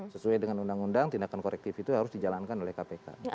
sesuai dengan undang undang tindakan korektif itu harus dijalankan oleh kpk